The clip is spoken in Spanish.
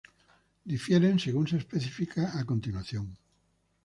Difieren según se especifica a continuación.